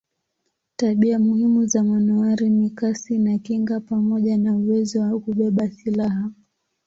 Tabia muhimu za manowari ni kasi na kinga pamoja na uwezo wa kubeba silaha.